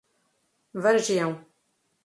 Vargeão